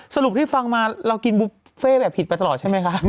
สรุปที่ฟังมาเรากินบุฟเฟ่แบบผิดไปตลอดใช่ไหมคะ